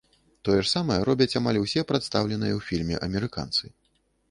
Тое ж самае робяць амаль усе прадстаўленыя ў фільме амерыканцы.